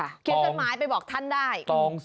เขียนจดหมายไปบอกท่านได้